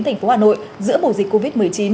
thành phố hà nội giữa mùa dịch covid một mươi chín